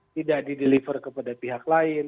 tidak dideliver kepada pihak lain